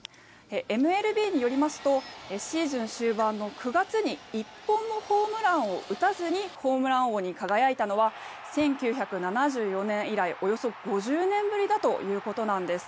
ＭＬＢによりますとシーズン終盤の９月に１本もホームランを打たずにホームラン王に輝いたのは１９７４年以来およそ５０年ぶりだということなんです。